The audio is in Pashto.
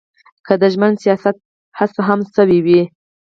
که د ژمن سیاست هڅه هم شوې وي.